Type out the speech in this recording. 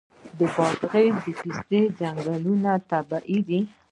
د بادغیس پستې ځنګلونه طبیعي دي؟